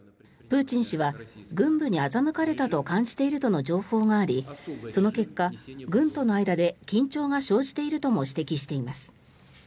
プーチン氏は軍部に欺かれたと感じているとの情報がありその結果、軍との間で緊張が生じているとも指摘しています。